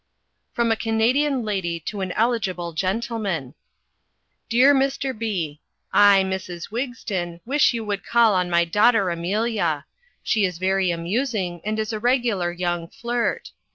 From a Canadian lady to eligible gentleman: "Dear Mr. B. I, Mrs. Wigston wish you would call on my daughter Amelia. She is very amusing and is a regular young flirt.